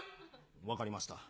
分かりました。